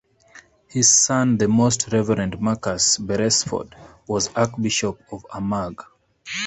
His son the Most Reverend Marcus Beresford was Archbishop of Armagh.